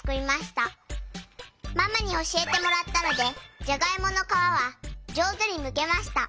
ママにおしえてもらったのでじゃがいものかわはじょうずにむけました。